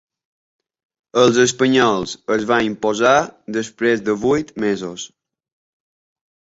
Els espanyols es va imposar després de vuit mesos.